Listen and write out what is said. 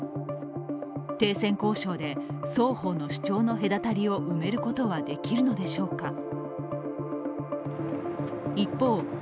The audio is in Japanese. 停戦交渉で双方の主張の隔たりを埋めることはできるのでしょうか。